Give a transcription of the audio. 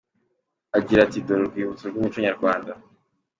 Agira ati “Dore urwibutso rw’umuco nyarwanda.